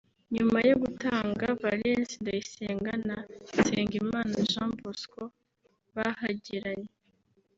nyuma yo gutanga Valens Ndayisenga na Nsengimana Jean Bosco bahageranye